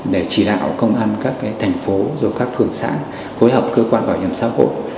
để chỉ đạo công an các thành phố các phường xã phối hợp cơ quan bảo hiểm xã hội